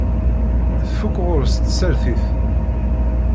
Tfuk ɣur-s tsertit.